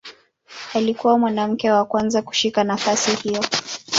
Alikuwa mwanamke wa kwanza kushika nafasi hiyo.